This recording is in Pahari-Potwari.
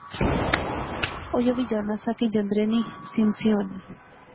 او یو وی جاننا سا کہ جندرے نی سم سی ہونی